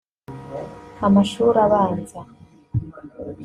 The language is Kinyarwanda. amashuri abanza